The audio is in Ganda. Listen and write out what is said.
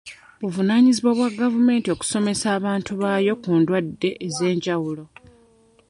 Buvunaanyizibwa bwa gavumenti okusomesa abantu baayo ku ndwadde ez'enjawulo.